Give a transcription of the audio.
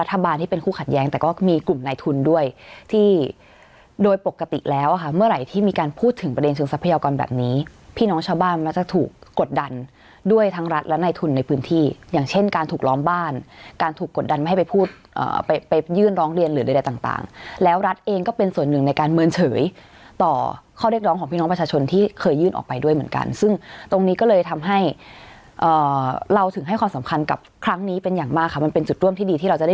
ทั้งรัฐและในทุนในพื้นที่อย่างเช่นการถูกล้อมบ้านการถูกกดดันไม่ให้ไปพูดไปยื่นร้องเรียนหรืออะไรต่างแล้วรัฐเองก็เป็นส่วนหนึ่งในการเมินเฉยต่อข้อเรียกร้องของพี่น้องประชาชนที่เคยยื่นออกไปด้วยเหมือนกันซึ่งตรงนี้ก็เลยทำให้เราถึงให้ความสำคัญกับครั้งนี้เป็นอย่างมากค่ะมันเป็นจุดร่วมที่